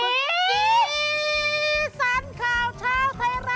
สันข่าวเช้าไทยรักษ์ไปแล้วครับ